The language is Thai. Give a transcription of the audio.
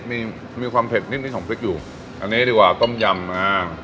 มีมีความเผ็ดนิดนิดของพริกอยู่อันนี้ดีกว่าต้มยำอ่า